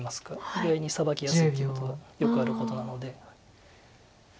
意外にサバきやすいということがよくあることなので。